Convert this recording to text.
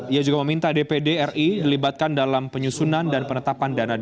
ia juga meminta dpdri dilibatkan dalam penyusunan dan penetapan dana d